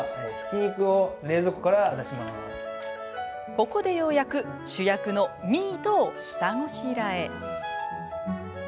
ここでようやく主役のミートを下ごしらえ。